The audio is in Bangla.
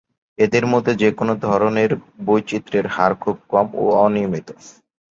এদের মধ্যে যেকোন ধরনের বৈচিত্রের হার খুব কম ও অনিয়মিত।